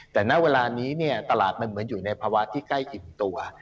แต่ณเวลานี้เนี่ยตลาดมันเหมือนอยู่ในภาวะที่ใกล้อิ่มตัว